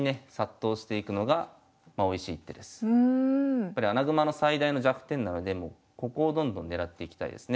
やっぱり穴熊の最大の弱点なのでここをどんどん狙っていきたいですね。